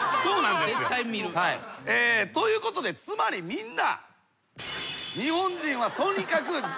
確かに。ということでつまりみんな。